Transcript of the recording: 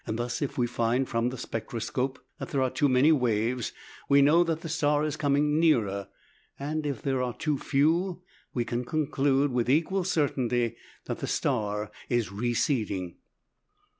Thus if we find from the spectroscope that there are too many waves, we know that the star is coming nearer; and if there are too few, we can conclude with equal certainty that the star is receding.